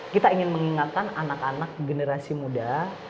kita ingin mengingatkan anak anak generasi muda